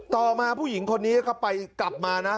ต่อมาผู้หญิงคนนี้ก็ไปกลับมานะ